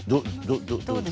どうです？